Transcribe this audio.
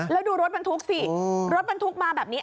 แล้วดูรถบรรทุกสิรถบรรทุกมาแบบนี้